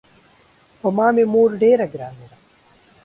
پر ما مې مور ډېره ګرانه ده.